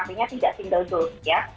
artinya tidak single zulf ya